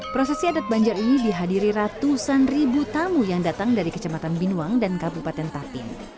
prosesi adat banjar ini dihadiri ratusan ribu tamu yang datang dari kecamatan binuang dan kabupaten tapin